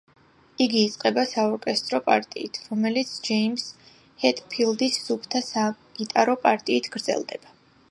იგი იწყება საორკესტრო პარტიით, რომელიც ჯეიმზ ჰეტფილდის სუფთა საგიტარო პარტიით გრძელდება.